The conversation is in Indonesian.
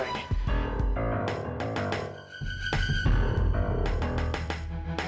ya allah gimana ini